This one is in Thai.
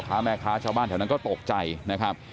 ค้าแม่ค้าชาวบ้านแถวนั้นก็ตกใจนะครับ